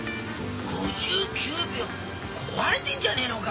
５９秒壊れてんじゃねえのか？